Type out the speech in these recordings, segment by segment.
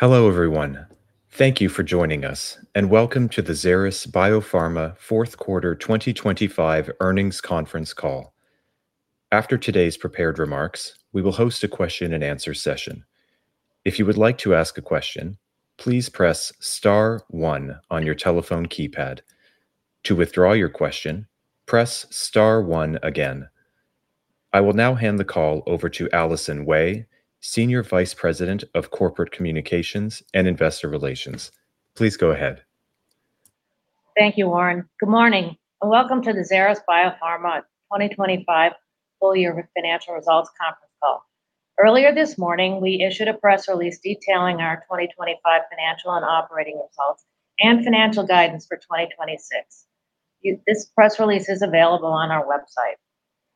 Hello, everyone. Thank you for joining us, and welcome to the Xeris Biopharma Fourth Quarter 2025 Earnings Conference Call. After today's prepared remarks, we will host a question and answer session. If you would like to ask a question, please press star one on your telephone keypad. To withdraw your question, press star one again. I will now hand the call over to Allison Wey, Senior Vice President of Corporate Communications and Investor Relations. Please go ahead. Thank you, Warren. Good morning, and welcome to the Xeris Biopharma 2025 full-year financial results conference call. Earlier this morning, we issued a press release detailing our 2025 financial and operating results and financial guidance for 2026. This press release is available on our website.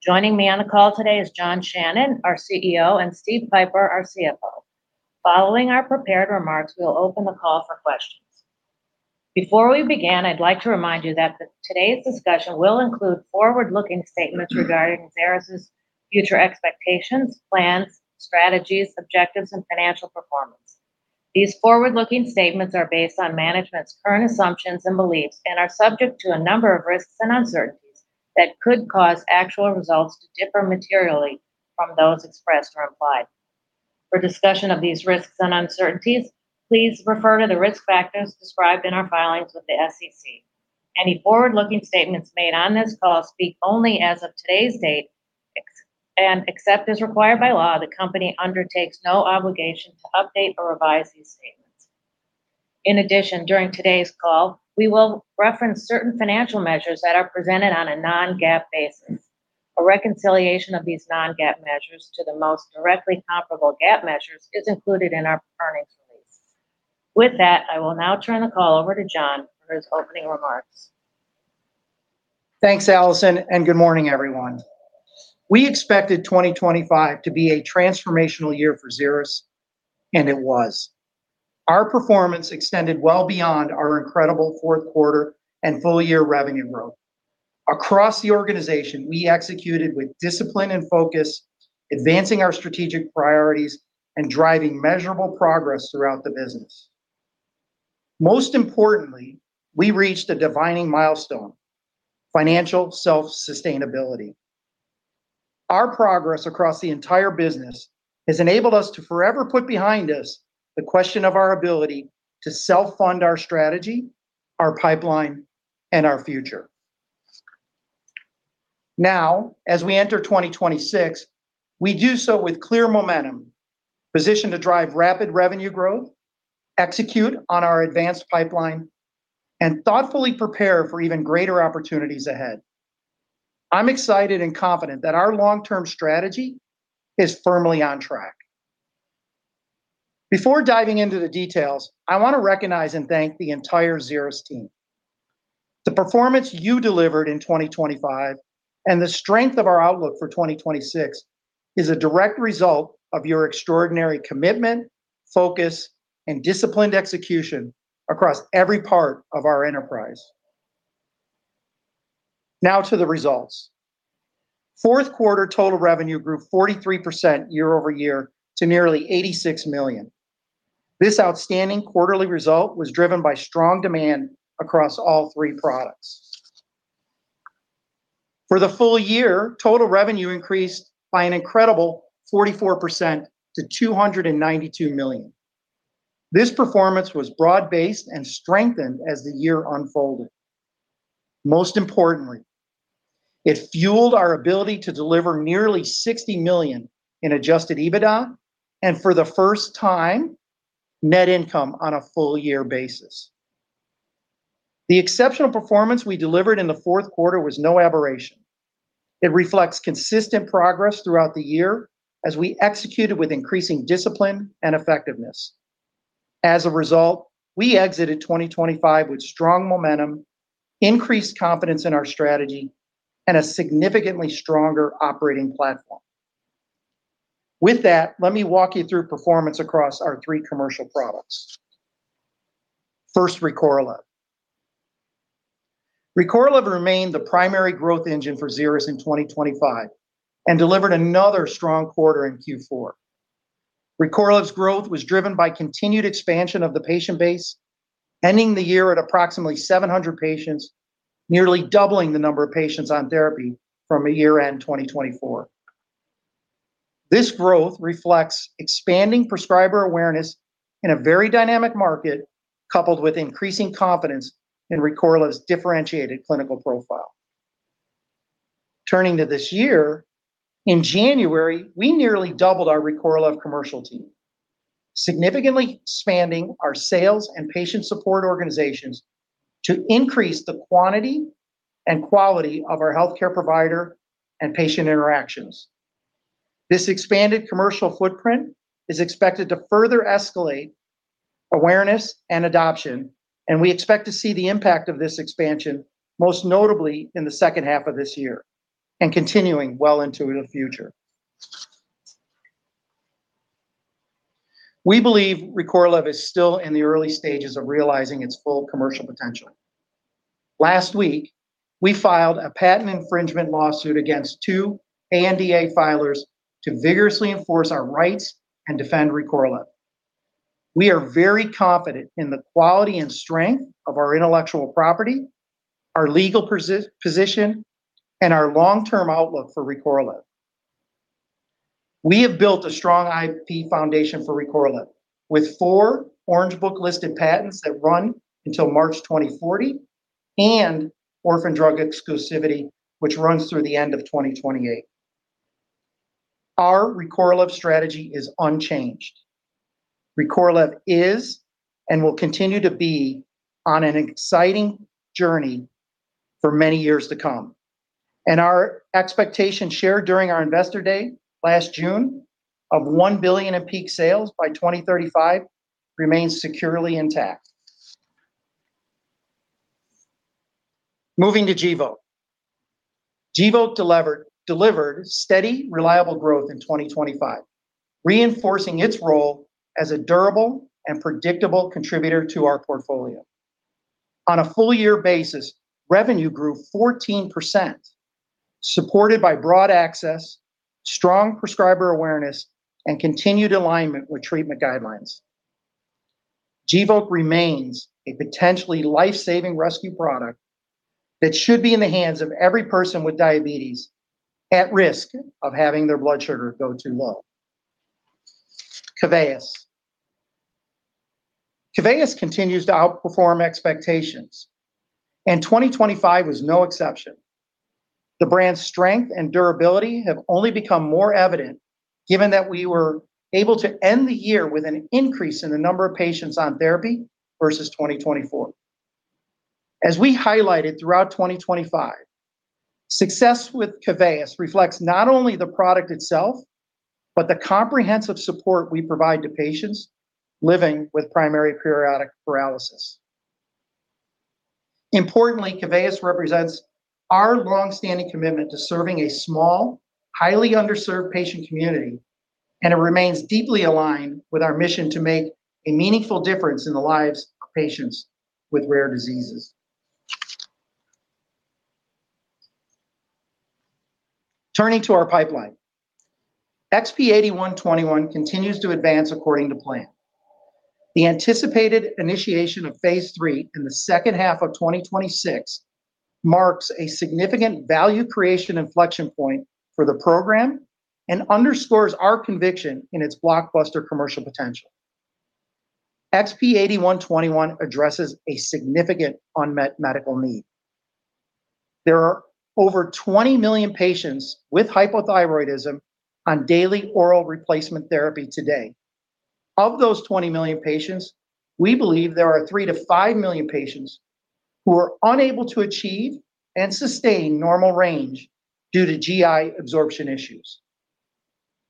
Joining me on the call today is John Shannon, our CEO, and Steve Pieper, our CFO. Following our prepared remarks, we'll open the call for questions. Before we begin, I'd like to remind you that today's discussion will include forward-looking statements regarding Xeris's future expectations, plans, strategies, objectives, and financial performance. These forward-looking statements are based on management's current assumptions and beliefs and are subject to a number of risks and uncertainties that could cause actual results to differ materially from those expressed or implied. For discussion of these risks and uncertainties, please refer to the risk factors described in our filings with the SEC. Any forward-looking statements made on this call speak only as of today's date, except as required by law, the company undertakes no obligation to update or revise these statements. In addition, during today's call, we will reference certain financial measures that are presented on a non-GAAP basis. A reconciliation of these non-GAAP measures to the most directly comparable GAAP measures is included in our earnings release. With that, I will now turn the call over to John for his opening remarks. Thanks, Allison. Good morning, everyone. We expected 2025 to be a transformational year for Xeris, and it was. Our performance extended well beyond our incredible fourth quarter and full year revenue growth. Across the organization, we executed with discipline and focus, advancing our strategic priorities and driving measurable progress throughout the business. Most importantly, we reached a defining milestone: financial self-sustainability. Our progress across the entire business has enabled us to forever put behind us the question of our ability to self-fund our strategy, our pipeline, and our future. As we enter 2026, we do so with clear momentum, positioned to drive rapid revenue growth, execute on our advanced pipeline, and thoughtfully prepare for even greater opportunities ahead. I'm excited and confident that our long-term strategy is firmly on track. Before diving into the details, I want to recognize and thank the entire Xeris team. The performance you delivered in 2025 and the strength of our outlook for 2026 is a direct result of your extraordinary commitment, focus, and disciplined execution across every part of our enterprise. To the results. Fourth quarter total revenue grew 43% year-over-year to nearly $86 million. This outstanding quarterly result was driven by strong demand across all three products. For the full year, total revenue increased by an incredible 44% to $292 million. This performance was broad-based and strengthened as the year unfolded. It fueled our ability to deliver nearly $60 million in Adjusted EBITDA and, for the first time, net income on a full year basis. The exceptional performance we delivered in the fourth quarter was no aberration. It reflects consistent progress throughout the year as we executed with increasing discipline and effectiveness. As a result, we exited 2025 with strong momentum, increased confidence in our strategy, and a significantly stronger operating platform. With that, let me walk you through performance across our three commercial products. First, Recorlev. Recorlev remained the primary growth engine for Xeris in 2025 and delivered another strong quarter in Q4. Recorlev's growth was driven by continued expansion of the patient base, ending the year at approximately 700 patients, nearly doubling the number of patients on therapy from a year-end 2024. This growth reflects expanding prescriber awareness in a very dynamic market, coupled with increasing confidence in Recorlev's differentiated clinical profile. Turning to this year, in January, we nearly doubled our Recorlev commercial team, significantly expanding our sales and patient support organizations to increase the quantity and quality of our healthcare provider and patient interactions. This expanded commercial footprint is expected to further escalate awareness and adoption, and we expect to see the impact of this expansion most notably in the second half of this year and continuing well into the future. We believe Recorlev is still in the early stages of realizing its full commercial potential. Last week, we filed a patent infringement lawsuit against two ANDA filers to vigorously enforce our rights and defend Recorlev. We are very confident in the quality and strength of our intellectual property, our legal position, and our long-term outlook for Recorlev. We have built a strong IP foundation for Recorlev with four Orange Book-listed patents that run until March 2040 and orphan drug exclusivity, which runs through the end of 2028. Our Recorlev strategy is unchanged. Recorlev is and will continue to be on an exciting journey for many years to come. Our expectation shared during our Investor Day last June of $1 billion in peak sales by 2035 remains securely intact. Moving to Gvoke. Gvoke delivered steady, reliable growth in 2025, reinforcing its role as a durable and predictable contributor to our portfolio. On a full-year basis, revenue grew 14%, supported by broad access, strong prescriber awareness, and continued alignment with treatment guidelines. Gvoke remains a potentially life-saving rescue product that should be in the hands of every person with diabetes at risk of having their blood sugar go too low. Keveyis. Keveyis continues to outperform expectations, and 2025 was no exception. The brand's strength and durability have only become more evident given that we were able to end the year with an increase in the number of patients on therapy versus 2024. As we highlighted throughout 2025, success with Keveyis reflects not only the product itself, but the comprehensive support we provide to patients living with primary periodic paralysis. Importantly, Keveyis represents our long-standing commitment to serving a small, highly underserved patient community, and it remains deeply aligned with our mission to make a meaningful difference in the lives of patients with rare diseases. Turning to our pipeline, XP-8121 continues to advance according to plan. The anticipated initiation of phase III in the second half of 2026 marks a significant value creation inflection point for the program and underscores our conviction in its blockbuster commercial potential. XP-8121 addresses a significant unmet medical need. There are over 20 million patients with hypothyroidism on daily oral replacement therapy today. Of those 20 million patients, we believe there are 3 million-5 million patients who are unable to achieve and sustain normal range due to GI absorption issues.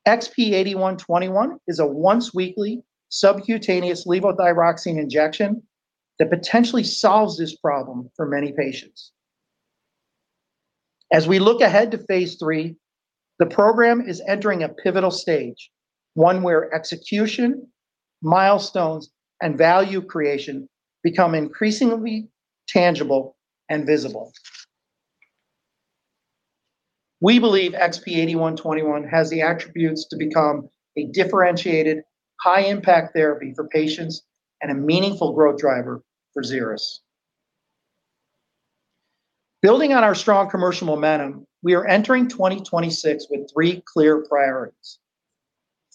XP-8121 is a once-weekly subcutaneous levothyroxine injection that potentially solves this problem for many patients. As we look ahead to phase III, the program is entering a pivotal stage, one where execution, milestones, and value creation become increasingly tangible and visible. We believe XP-8121 has the attributes to become a differentiated, high-impact therapy for patients and a meaningful growth driver for Xeris. Building on our strong commercial momentum, we are entering 2026 with three clear priorities.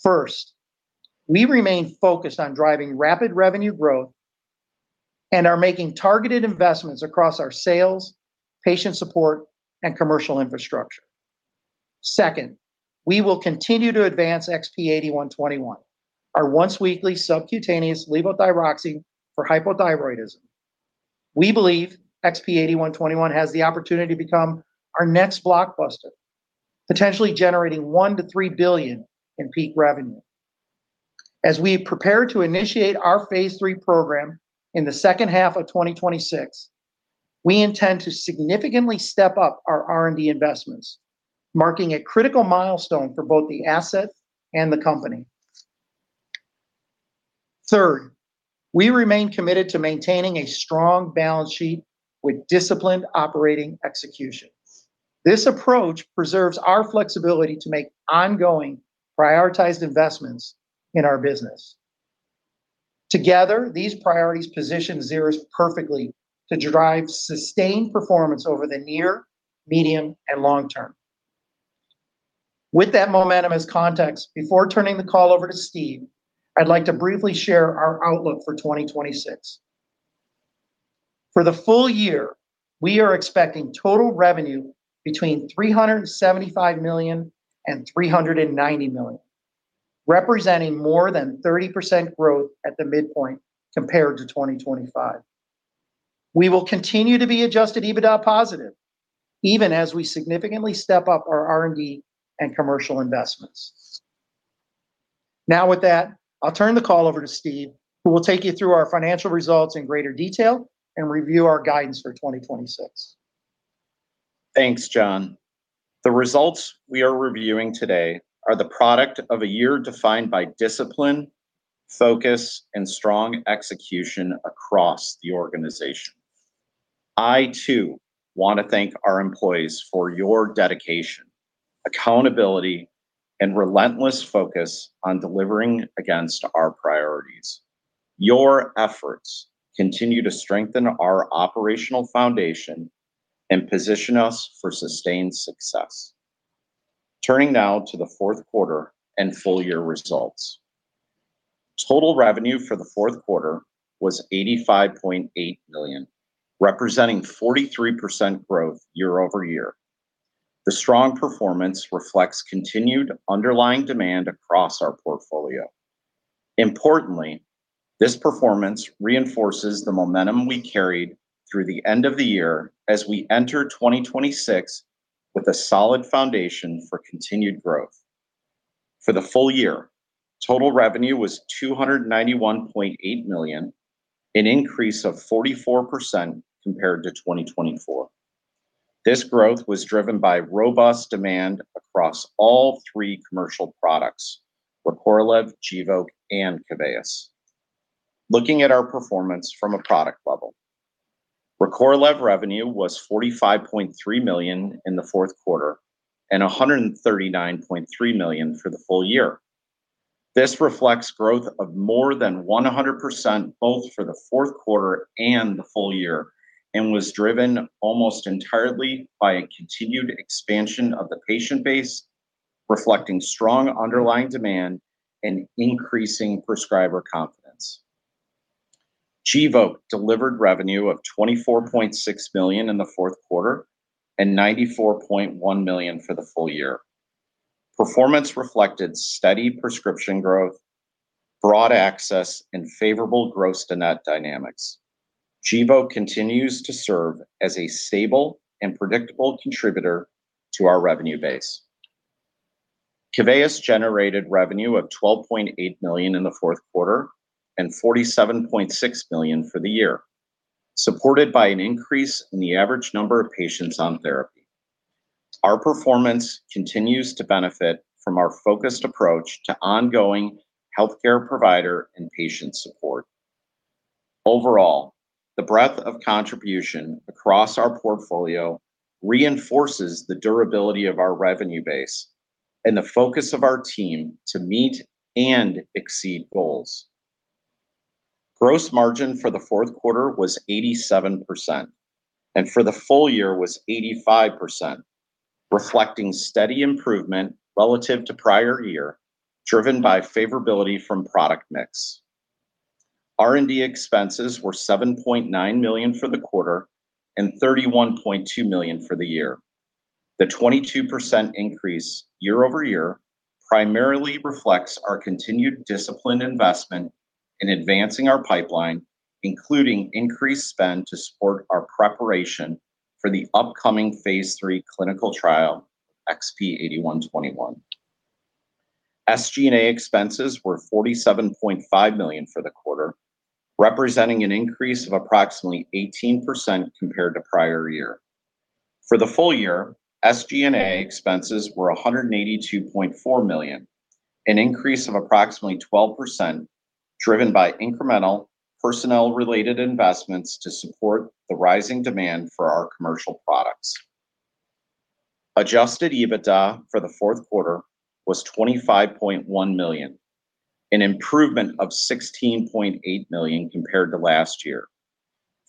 First, we remain focused on driving rapid revenue growth and are making targeted investments across our sales, patient support, and commercial infrastructure. Second, we will continue to advance XP-8121, our once-weekly subcutaneous levothyroxine for hypothyroidism. We believe XP-8121 has the opportunity to become our next blockbuster, potentially generating $1 billion-$3 billion in peak revenue. As we prepare to initiate our phase III program in the second half of 2026, we intend to significantly step up our R&D investments, marking a critical milestone for both the asset and the company. Third, we remain committed to maintaining a strong balance sheet with disciplined operating execution. This approach preserves our flexibility to make ongoing prioritized investments in our business. Together, these priorities position Xeris perfectly to drive sustained performance over the near, medium, and long term. With that momentum as context, before turning the call over to Steve, I'd like to briefly share our outlook for 2026. For the full year, we are expecting total revenue between $375 million and $390 million, representing more than 30% growth at the midpoint compared to 2025. We will continue to be Adjusted EBITDA positive, even as we significantly step up our R&D and commercial investments. With that, I'll turn the call over to Steve, who will take you through our financial results in greater detail and review our guidance for 2026. Thanks, John. The results we are reviewing today are the product of a year defined by discipline, focus, and strong execution across the organization. I too want to thank our employees for your dedication, accountability, and relentless focus on delivering against our priorities. Your efforts continue to strengthen our operational foundation and position us for sustained success. Turning now to the fourth quarter and full year results. Total revenue for the fourth quarter was $85.8 million, representing 43% growth year-over-year. The strong performance reflects continued underlying demand across our portfolio. Importantly, this performance reinforces the momentum we carried through the end of the year as we enter 2026 with a solid foundation for continued growth. For the full year, total revenue was $291.8 million, an increase of 44% compared to 2024. This growth was driven by robust demand across all three commercial products, Recorlev, Gvoke, and Keveyis. Looking at our performance from a product level, Recorlev revenue was $45.3 million in the fourth quarter and $139.3 million for the full year. This reflects growth of more than 100% both for the fourth quarter and the full year and was driven almost entirely by a continued expansion of the patient base, reflecting strong underlying demand and increasing prescriber confidence. Gvoke delivered revenue of $24.6 million in the fourth quarter and $94.1 million for the full year. Performance reflected steady prescription growth, broad access, and favorable gross to net dynamics. Gvoke continues to serve as a stable and predictable contributor to our revenue base. Keveyis generated revenue of $12.8 million in the fourth quarter and $47.6 million for the year, supported by an increase in the average number of patients on therapy. Our performance continues to benefit from our focused approach to ongoing healthcare provider and patient support. Overall, the breadth of contribution across our portfolio reinforces the durability of our revenue base and the focus of our team to meet and exceed goals. Gross margin for the fourth quarter was 87% and for the full year was 85%, reflecting steady improvement relative to prior year, driven by favorability from product mix. R&D expenses were $7.9 million for the quarter and $31.2 million for the year. The 22% increase year-over-year primarily reflects our continued disciplined investment in advancing our pipeline, including increased spend to support our preparation for the upcoming phase III clinical trial, XP-8121. SG&A expenses were $47.5 million for the quarter, representing an increase of approximately 18% compared to prior year. For the full year, SG&A expenses were $182.4 million, an increase of approximately 12%, driven by incremental personnel-related investments to support the rising demand for our commercial products. Adjusted EBITDA for the fourth quarter was $25.1 million, an improvement of $16.8 million compared to last year.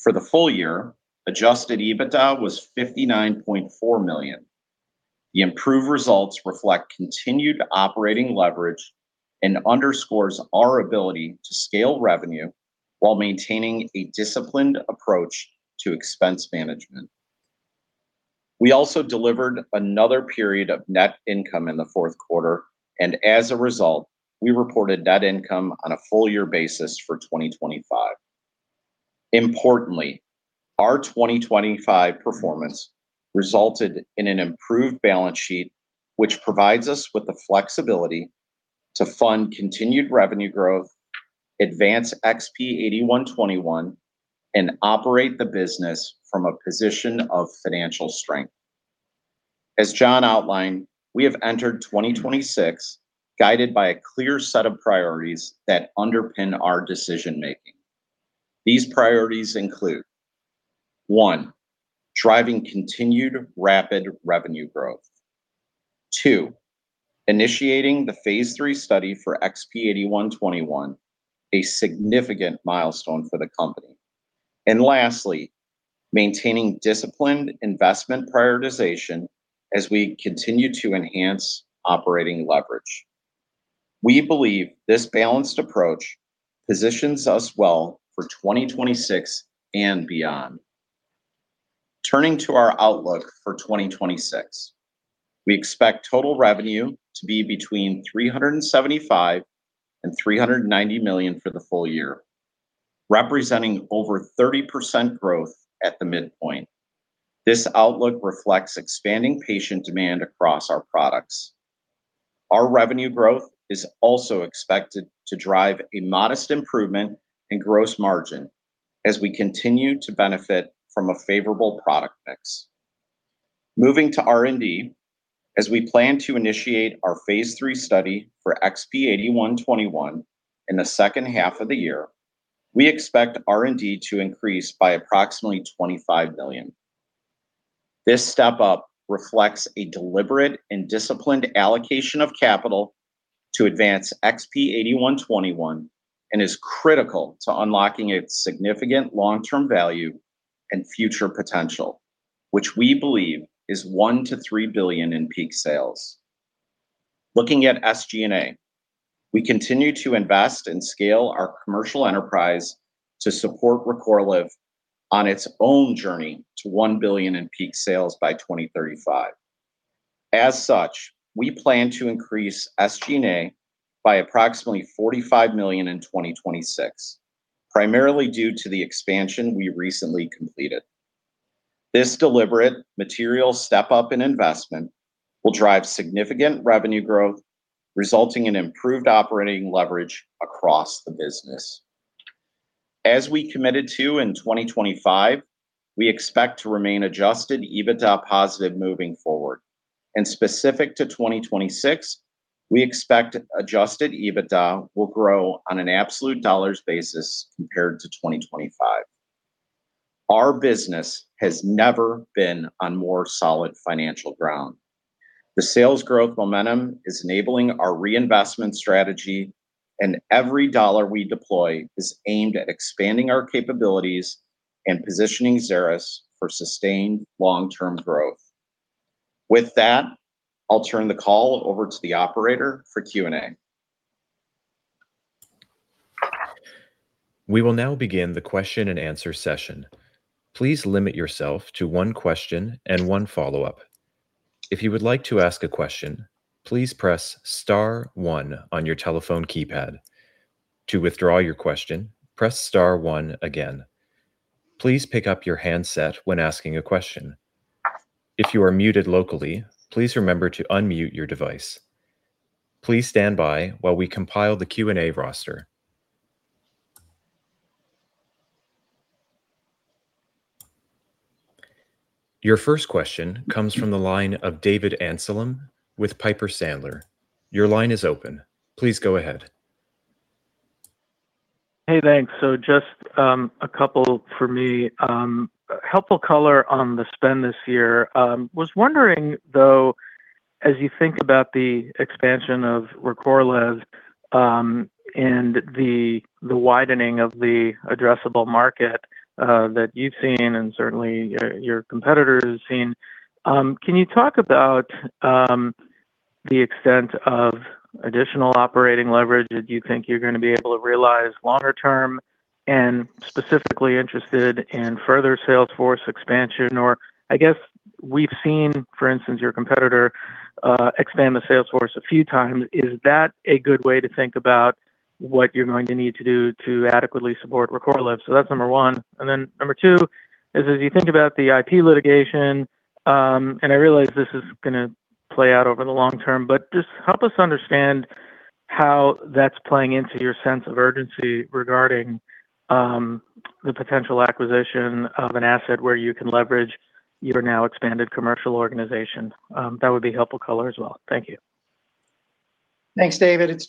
For the full year, Adjusted EBITDA was $59.4 million. The improved results reflect continued operating leverage and underscores our ability to scale revenue while maintaining a disciplined approach to expense management. We also delivered another period of net income in the fourth quarter. As a result, we reported net income on a full-year basis for 2025. Importantly, our 2025 performance resulted in an improved balance sheet, which provides us with the flexibility to fund continued revenue growth, advance XP-8121, and operate the business from a position of financial strength. As John outlined, we have entered 2026 guided by a clear set of priorities that underpin our decision-making. These priorities include: One. driving continued rapid revenue growth. Two. initiating the phase III study for XP-8121, a significant milestone for the company. Lastly, maintaining disciplined investment prioritization as we continue to enhance operating leverage. We believe this balanced approach positions us well for 2026 and beyond. Turning to our outlook for 2026, we expect total revenue to be between $375 million and $390 million for the full year, representing over 30% growth at the midpoint. This outlook reflects expanding patient demand across our products. Our revenue growth is also expected to drive a modest improvement in gross margin as we continue to benefit from a favorable product mix. Moving to R&D, as we plan to initiate our phase III study for XP-8121 in the second half of the year, we expect R&D to increase by approximately $25 million. This step-up reflects a deliberate and disciplined allocation of capital to advance XP-8121 and is critical to unlocking its significant long-term value and future potential, which we believe is $1 billion-$3 billion in peak sales. Looking at SG&A, we continue to invest and scale our commercial enterprise to support Recorlev on its own journey to $1 billion in peak sales by 2035. As such, we plan to increase SG&A by approximately $45 million in 2026, primarily due to the expansion we recently completed. This deliberate material step-up in investment will drive significant revenue growth, resulting in improved operating leverage across the business. As we committed to in 2025, we expect to remainAdjusted EBITDA positive moving forward. Specific to 2026, we expect Adjusted EBITDA will grow on an absolute dollars basis compared to 2025. Our business has never been on more solid financial ground. The sales growth momentum is enabling our reinvestment strategy. Every dollar we deploy is aimed at expanding our capabilities and positioning Xeris for sustained long-term growth. With that, I'll turn the call over to the operator for Q&A. We will now begin the question-and-answer session. Please limit yourself to one question and one follow-up. If you would like to ask a question, please press star one on your telephone keypad. To withdraw your question, press star one again. Please pick up your handset when asking a question. If you are muted locally, please remember to unmute your device. Please stand by while we compile the Q&A roster. Your first question comes from the line of David Amsellem with Piper Sandler. Your line is open. Please go ahead. Hey, thanks. Just a couple for me. Helpful color on the spend this year. Was wondering, though, as you think about the expansion of Recorlev, and the widening of the addressable market that you've seen and certainly your competitors have seen, can you talk about the extent of additional operating leverage that you think you're going to be able to realize longer term? Specifically interested in further sales force expansion, or I guess we've seen, for instance, your competitor expand the sales force a few times. Is that a good way to think about what you're going to need to do to adequately support Recorlev? That's number one. Number two is, as you think about the IP litigation, and I realize this is gonna play out over the long term, but just help us understand how that's playing into your sense of urgency regarding the potential acquisition of an asset where you can leverage your now expanded commercial organization. That would be helpful color as well. Thank you. Thanks, David. It's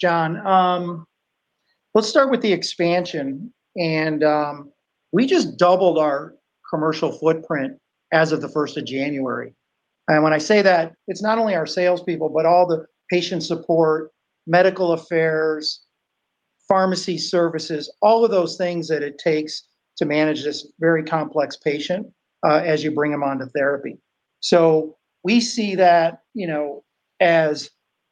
John. Let's start with the expansion. We just doubled our commercial footprint as of the 1st of January. When I say that, it's not only our salespeople, but all the patient support, medical affairs, pharmacy services, all of those things that it takes to manage this very complex patient as you bring them onto therapy. We see that, you know, as,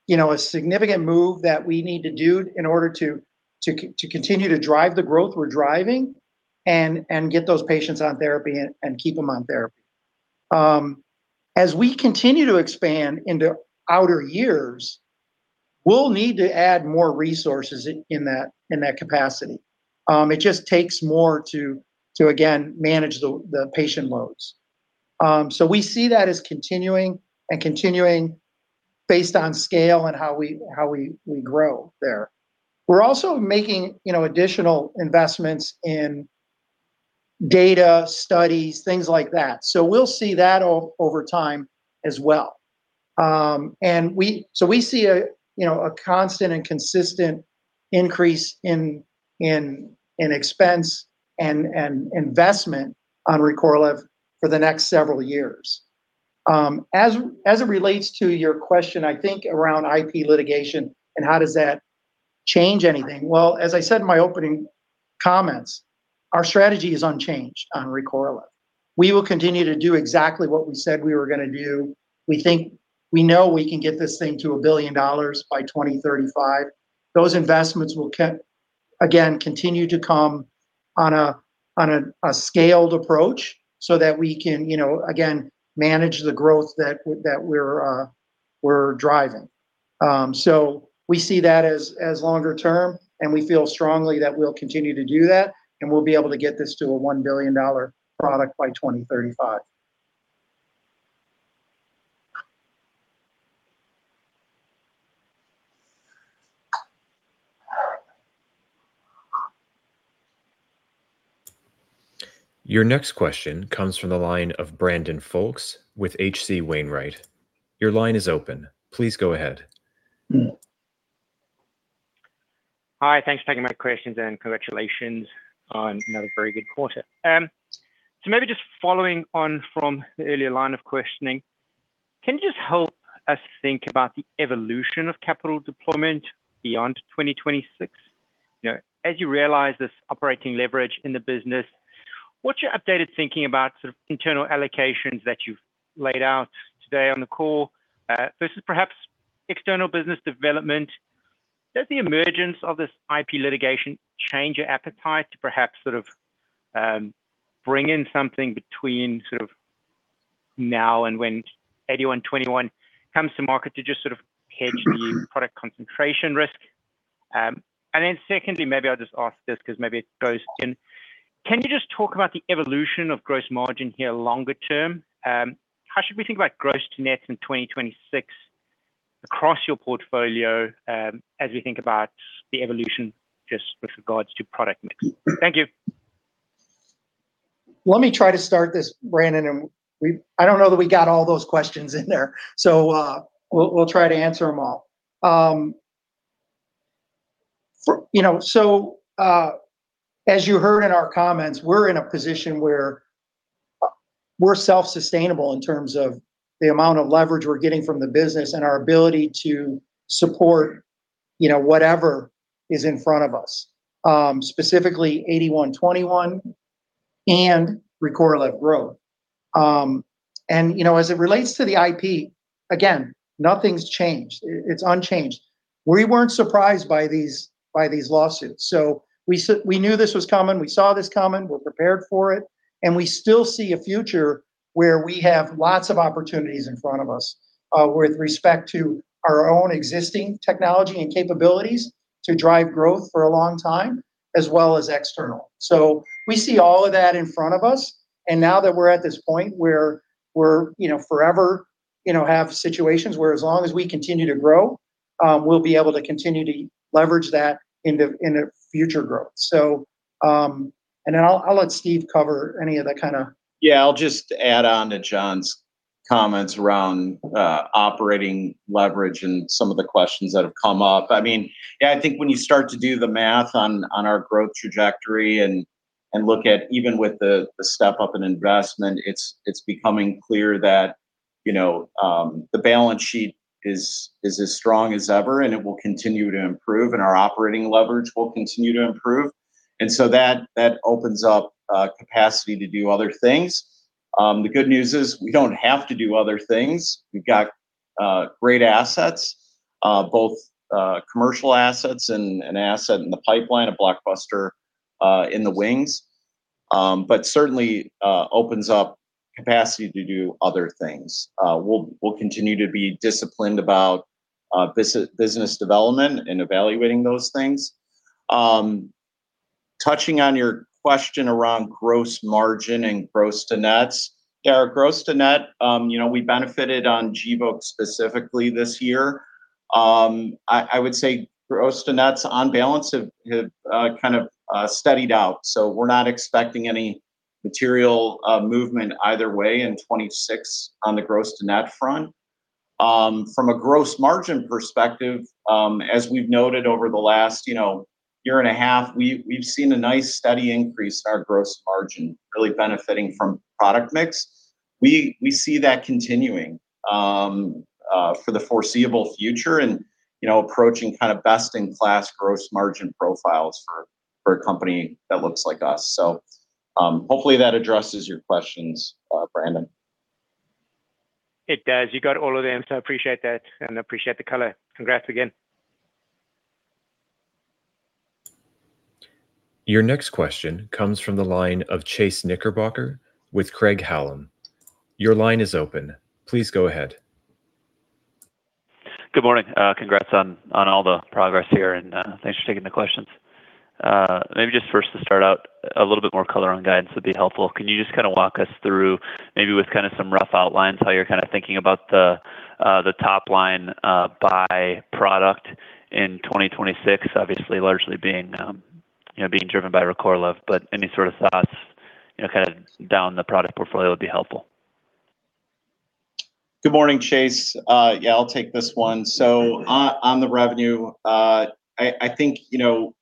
you know, a significant move that we need to do in order to continue to drive the growth we're driving and get those patients on therapy and keep them on therapy. As we continue to expand into outer years, we'll need to add more resources in that capacity. It just takes more to again manage the patient loads. We see that as continuing and continuing based on scale and how we grow there. We're also making, you know, additional investments in data studies, things like that. We'll see that over time as well. We see a, you know, a constant and consistent increase in expense and investment on Recorlev for the next several years. As it relates to your question, I think, around IP litigation and how does that change anything, well, as I said in my opening comments, our strategy is unchanged on Recorlev. We will continue to do exactly what we said we were gonna do. We think we know we can get this thing to $1 billion by 2035. Those investments will again, continue to come on a scaled approach so that we can, you know, again, manage the growth that we're driving. We see that as longer term, and we feel strongly that we'll continue to do that, and we'll be able to get this to a $1 billion product by 2035. Your next question comes from the line of Brandon Folkes with H.C. Wainwright. Your line is open. Please go ahead. Hi. Thanks for taking my questions, and congratulations on another very good quarter. Maybe just following on from the earlier line of questioning, can you just help us think about the evolution of capital deployment beyond 2026? You know, as you realize there's operating leverage in the business, what's your updated thinking about sort of internal allocations that you've laid out today on the call, versus perhaps external business development? Does the emergence of this IP litigation change your appetite to perhaps sort of, bring in something between sort of now and when XP-8121 comes to market to just sort of hedge the new product concentration risk? Secondly, maybe I'll just ask this 'cause maybe it goes in. Can you just talk about the evolution of gross margin here longer term? How should we think about gross to net in 2026 across your portfolio, as we think about the evolution just with regards to product mix? Thank you. Let me try to start this, Brandon. I don't know that we got all those questions in there. We'll try to answer them all. You know, as you heard in our comments, we're in a position where we're self-sustainable in terms of the amount of leverage we're getting from the business and our ability to support, you know, whatever is in front of us, specifically XP-8121 and Recorlev growth. You know, as it relates to the IP, again, nothing's changed. It's unchanged. We weren't surprised by these lawsuits. We knew this was coming. We saw this coming. We're prepared for it, and we still see a future where we have lots of opportunities in front of us, with respect to our own existing technology and capabilities to drive growth for a long time, as well as external. We see all of that in front of us, and now that we're at this point where we're, you know, forever, you know, have situations where as long as we continue to grow, we'll be able to continue to leverage that into future growth. I'll let Steve cover any of the... Yeah, I'll just add on to John's comments around operating leverage and some of the questions that have come up. I mean, yeah, I think when you start to do the math on our growth trajectory and look at even with the step up in investment, it's becoming clear that, you know, the balance sheet is as strong as ever, and it will continue to improve, and our operating leverage will continue to improve. That opens up capacity to do other things. The good news is we don't have to do other things. We've got great assets, both commercial assets and an asset in the pipeline, a blockbuster, in the wings. Certainly, opens up capacity to do other things. We'll continue to be disciplined about business development and evaluating those things. Touching on your question around gross margin and gross to nets. Yeah, our gross to net, you know, we benefited on Gvoke specifically this year. I would say gross to nets on balance have kind of steadied out. We're not expecting any material movement either way in 2026 on the gross to net front. From a gross margin perspective, as we've noted over the last, you know, year and a half, we've seen a nice steady increase in our gross margin, really benefiting from product mix. We see that continuing for the foreseeable future and, you know, approaching kind of best in class gross margin profiles for a company that looks like us. Hopefully that addresses your questions, Brandon. It does. You got all of them, so I appreciate that and appreciate the color. Congrats again. Your next question comes from the line of Chase Knickerbocker with Craig-Hallum. Your line is open. Please go ahead. Good morning. Congrats on all the progress here and thanks for taking the questions. Maybe just first to start out a little bit more color on guidance would be helpful. Can you just kinda walk us through maybe with kind of some rough outlines how you're kind of thinking about the top line by product in 2026, obviously largely being, you know, being driven by Recorlev, but any sort of thoughts, you know, kind of down the product portfolio would be helpful. Good morning, Chase. Yeah, I'll take this one. On the revenue, I think, you know,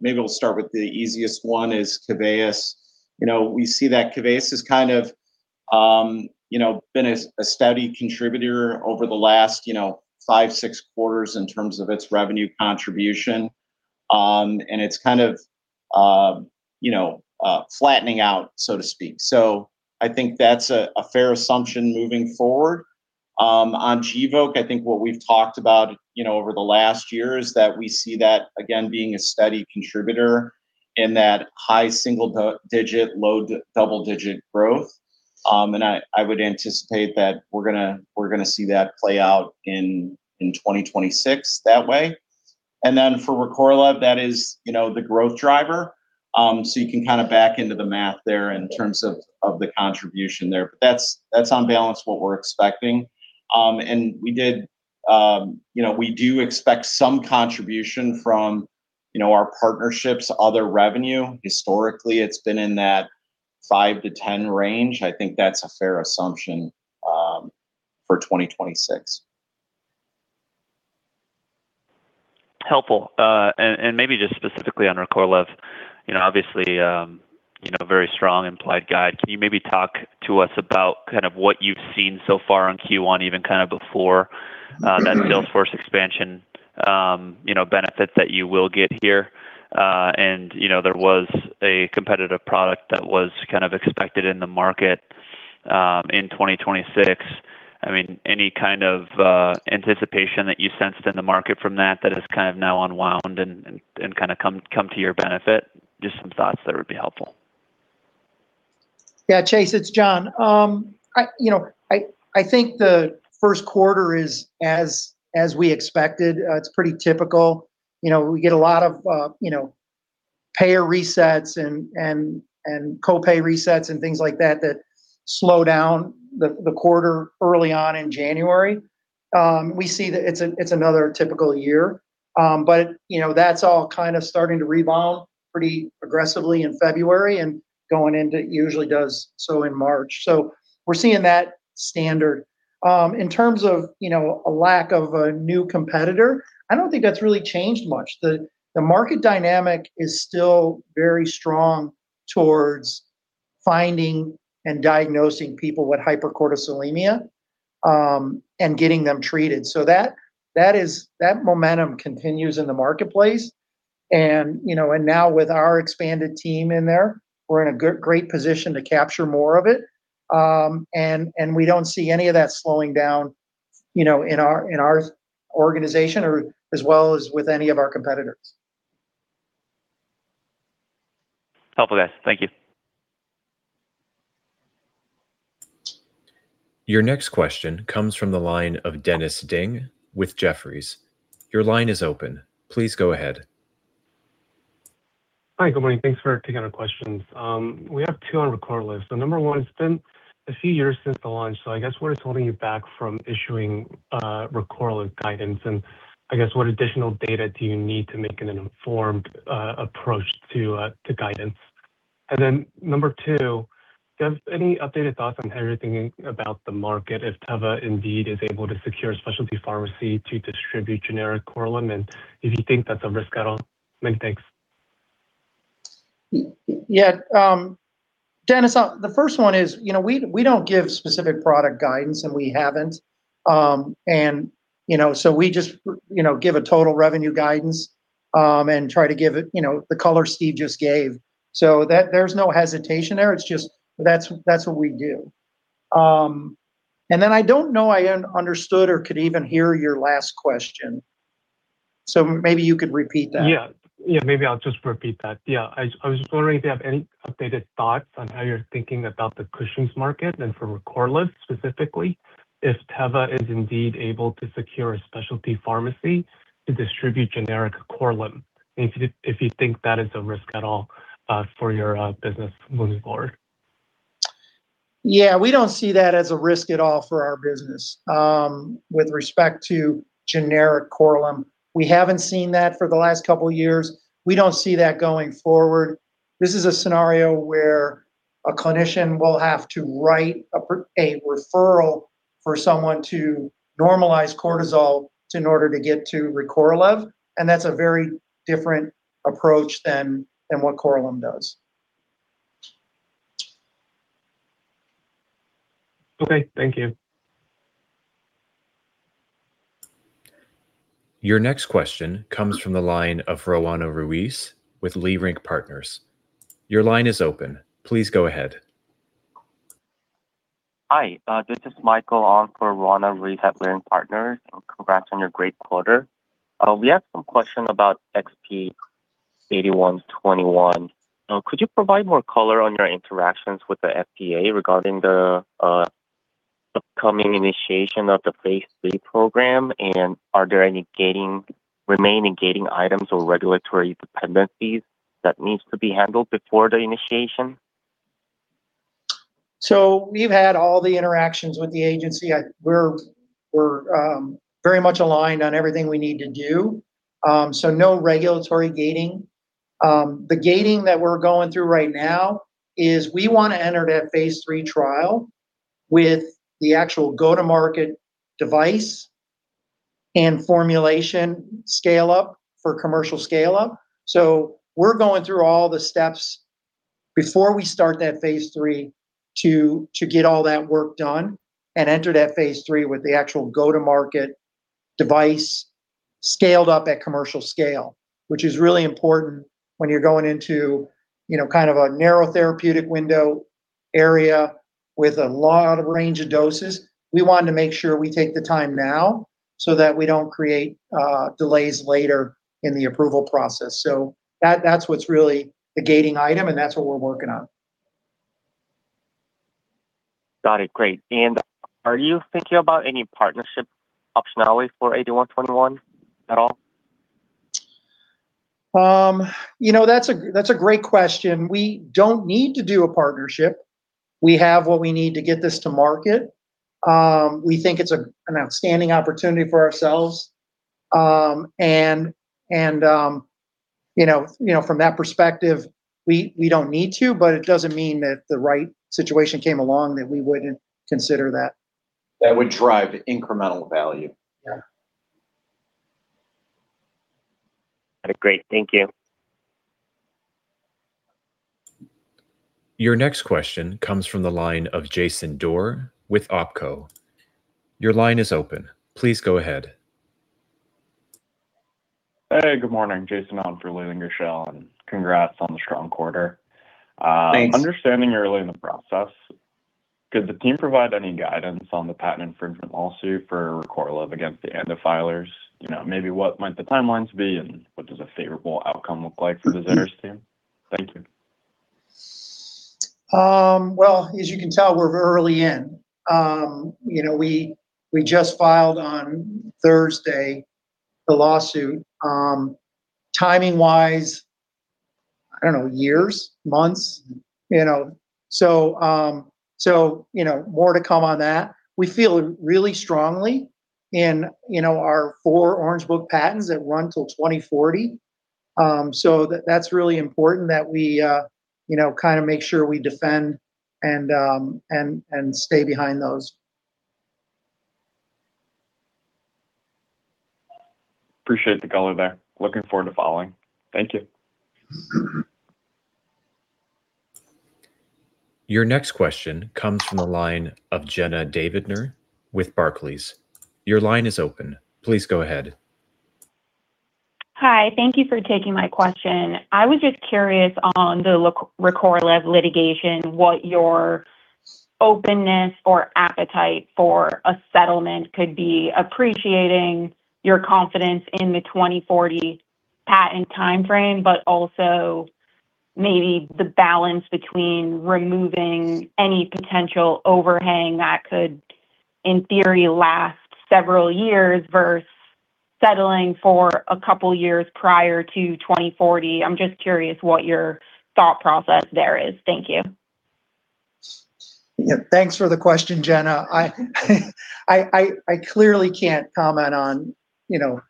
maybe we'll start with the easiest one is Keveyis. You know, we see that Keveyis is kind of, you know, been a steady contributor over the last, you know, five, six quarters in terms of its revenue contribution. It's kind of, you know, flattening out, so to speak. I think that's a fair assumption moving forward. On Gvoke, I think what we've talked about, you know, over the last year is that we see that again being a steady contributor in that high single-digit, low double-digit growth. I would anticipate that we're gonna see that play out in 2026 that way. For Recorlev, that is, you know, the growth driver. You can kind of back into the math there in terms of the contribution there. That's, that's on balance what we're expecting. We did, you know, we do expect some contribution from, you know, our partnerships, other revenue. Historically, it's been in that 5-10 range. I think that's a fair assumption, for 2026. Helpful. Maybe just specifically on Recorlev, you know, obviously, you know, very strong implied guide. Can you maybe talk to us about kind of what you've seen so far in Q1, even kind of- Mm-hmm... that sales force expansion, you know, benefit that you will get here? You know, there was a competitive product that was kind of expected in the market, in 2026. I mean, any kind of anticipation that you sensed in the market from that that is kind of now unwound and kind of come to your benefit? Just some thoughts there would be helpful. Chase, it's John. I, you know, I think the first quarter is as we expected. It's pretty typical. You know, we get a lot of, you know, payer resets and co-pay resets and things like that slow down the quarter early on in January. We see that it's another typical year. You know, that's all kind of starting to rebound pretty aggressively in February and usually does so in March. We're seeing that standard. In terms of, you know, a lack of a new competitor, I don't think that's really changed much. The market dynamic is still very strong towards finding and diagnosing people with hypercortisolemia and getting them treated. That momentum continues in the marketplace. You know, and now with our expanded team in there, we're in a good, great position to capture more of it. We don't see any of that slowing down, you know, in our, in our organization or as well as with any of our competitors. Helpful, guys. Thank you. Your next question comes from the line of Dennis Ding with Jefferies. Your line is open. Please go ahead. Hi. Good morning. Thanks for taking our questions. We have two on Recorlev. Number one, it's been a few years since the launch, I guess what is holding you back from issuing Recorlev guidance? I guess what additional data do you need to make an informed approach to guidance? Number two, do you have any updated thoughts on how you're thinking about the market if Teva indeed is able to secure a specialty pharmacy to distribute generic Korlym, and if you think that's a risk at all? Many thanks. Yeah. Dennis, the first one is, you know, we don't give specific product guidance, and we haven't. you know, we just, you know, give a total revenue guidance, and try to give it, you know, the color Steve just gave. there's no hesitation there. It's just that's what we do. I don't know I understood or could even hear your last question, so maybe you could repeat that. Yeah. Yeah. Maybe I'll just repeat that. Yeah. I was just wondering if you have any updated thoughts on how you're thinking about the Cushing's syndrome market and for Recorlev specifically, if Teva is indeed able to secure a specialty pharmacy to distribute generic Korlym, and if you think that is a risk at all for your business moving forward? Yeah. We don't see that as a risk at all for our business. With respect to generic Korlym, we haven't seen that for the last couple years. We don't see that going forward. This is a scenario where a clinician will have to write a referral for someone to normalize cortisol to in order to get to Recorlev, and that's a very different approach than what Korlym does. Okay. Thank you. Your next question comes from the line of Roanna Ruiz with Leerink Partners. Your line is open. Please go ahead. Hi. This is Michael on for Roanna Ruiz at Leerink Partners. Congrats on your great quarter. We have some question about XP-8121. Could you provide more color on your interactions with the FDA regarding the upcoming initiation of the phase III program? Are there any remaining gating items or regulatory dependencies that needs to be handled before the initiation? We've had all the interactions with the agency. We're very much aligned on everything we need to do, so no regulatory gating. The gating that we're going through right now is we wanna enter that phase III trial with the actual go-to-market device and formulation scale-up for commercial scale-up. We're going through all the steps before we start that phase III to get all that work done and enter that phase III with the actual go-to-market device scaled up at commercial scale, which is really important when you're going into, you know, kind of a narrow therapeutic window area with a lot of range of doses. We want to make sure we take the time now so that we don't create delays later in the approval process. That's what's really the gating item, and that's what we're working on. Got it. Great. Are you thinking about any partnership optionality for 8121 at all? You know, that's a, that's a great question. We don't need to do a partnership. We have what we need to get this to market. We think it's a, an outstanding opportunity for ourselves. You know, from that perspective, we don't need to, but it doesn't mean that if the right situation came along that we wouldn't consider that. That would drive incremental value. Yeah. Great. Thank you. Your next question comes from the line of Jason Dorr with Opco. Your line is open. Please go ahead. Hey, good morning. Jason on for, congrats on the strong quarter. Thanks. Understanding you're early in the process, could the team provide any guidance on the patent infringement lawsuit for Recorlev against the ANDA filers? You know, maybe what might the timelines be, and what does a favorable outcome look like for the Xeris team? Thank you. Well, as you can tell, we're very early in. You know, we just filed on Thursday, the lawsuit. Timing-wise, I don't know, years, months, you know. You know, more to come on that. We feel really strongly in, you know, our four Orange Book patents that run till 2040. That's really important that we, you know, kind of make sure we defend and stay behind those. Appreciate the color there. Looking forward to following. Thank you. Mm-hmm. Your next question comes from the line of Jenna Davidner with Barclays. Your line is open. Please go ahead. Hi. Thank you for taking my question. I was just curious on the Recorlev litigation, what your openness or appetite for a settlement could be, appreciating your confidence in the 2040 patent timeframe, but also maybe the balance between removing any potential overhang that could, in theory, last several years versus settling for a couple of years prior to 2040. I'm just curious what your thought process there is. Thank you. Yeah, thanks for the question, Jenna. I clearly can't comment on, you know,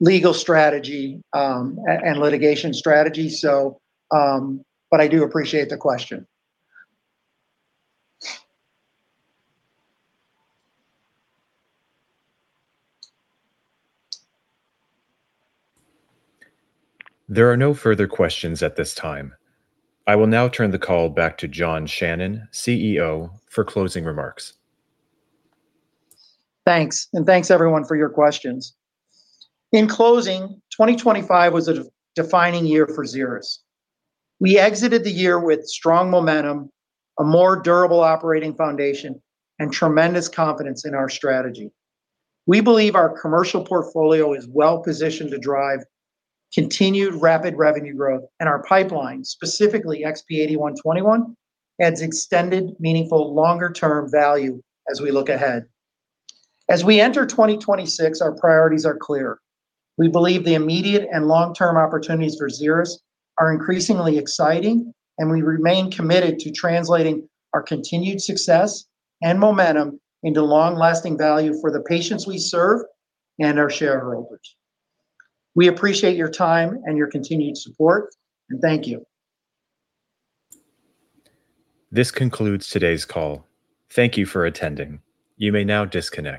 legal strategy, and litigation strategy, so, but I do appreciate the question. There are no further questions at this time. I will now turn the call back to John Shannon, CEO, for closing remarks. Thanks. Thanks everyone for your questions. In closing, 2025 was a defining year for Xeris. We exited the year with strong momentum, a more durable operating foundation, and tremendous confidence in our strategy. We believe our commercial portfolio is well-positioned to drive continued rapid revenue growth, and our pipeline, specifically XP-8121, adds extended, meaningful, longer-term value as we look ahead. As we enter 2026, our priorities are clear. We believe the immediate and long-term opportunities for Xeris are increasingly exciting, and we remain committed to translating our continued success and momentum into long-lasting value for the patients we serve and our shareholders. We appreciate your time and your continued support. Thank you. This concludes today's call. Thank you for attending. You may now disconnect.